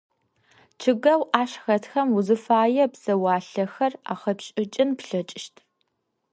Чъыгэу ащ хэтхэм узыфае псэуалъэхэр ахэпшӏыкӏын плъэкӏыщт.